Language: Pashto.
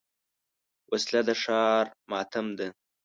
وسله د ښار ماتم ده